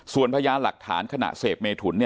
ส่วนพยานหลักฐานขณะเสพเมถุน